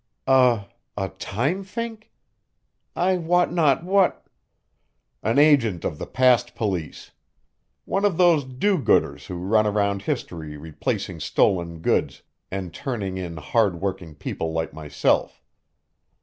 "A ... a time fink? I wot not what " "An agent of the Past Police. One of those do gooders who run around history replacing stolen goods and turning in hard working people like myself.